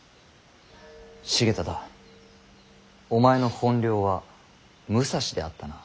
重忠お前の本領は武蔵であったな。